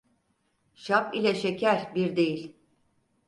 Şap ile şeker bir değil.